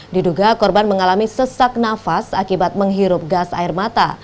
diduga korban mengalami sesak nafas akibat menghirup gas air mata